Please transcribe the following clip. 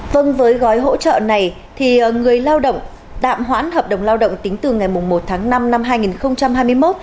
vâng với gói hỗ trợ này thì người lao động tạm hoãn hợp đồng lao động tính từ ngày một tháng năm năm hai nghìn hai mươi một